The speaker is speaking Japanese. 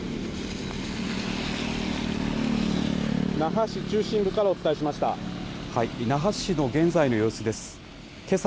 那覇市中心部からお伝えしました。